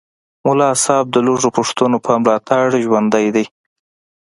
ملا صاحب د لږو پښتنو په ملاتړ ژوندی دی